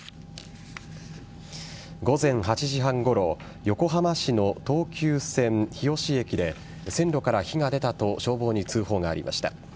午前８時半ごろ横浜市の東急線・日吉駅で線路から火が出たと消防に通報がありました。